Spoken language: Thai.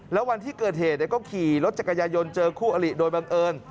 แล้ววันที่เกิดเหตุก็ขี่รถจักรยายนเจอคู่อลิโดยบังเอิญ